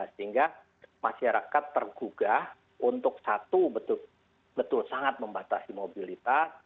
sehingga masyarakat tergugah untuk satu betul sangat membatasi mobilitas